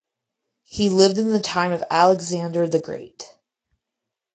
He lived in the time of Alexander the Great.